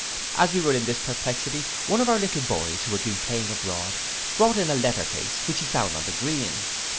As we were in this perplexity, one of our little boys, who had been playing abroad, brought in a letter case, which he found on the green.